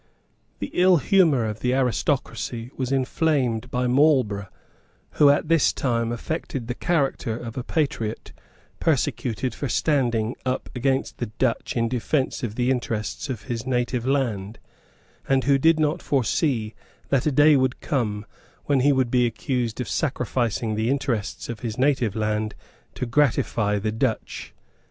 The ill humour of the aristocracy was inflamed by Marlborough, who, at this time, affected the character of a patriot persecuted for standing up against the Dutch in defence of the interests of his native land, and who did not foresee that a day would come when he would be accused of sacrificing the interests of his native land to gratify the Dutch.